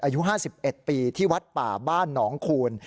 อายุ๕๑ปีที่วัดป่าบ้านหนองคูณ